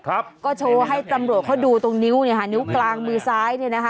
ครับก็โชว์ให้ตำรวจเขาดูตรงนิ้วเนี่ยค่ะนิ้วกลางมือซ้ายเนี่ยนะคะ